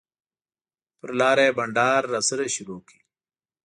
پر لاره یې بنډار راسره شروع کړ.